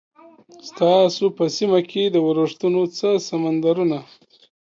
ستاسو په سیمه کې د ورښتونو څه سمندرونه؟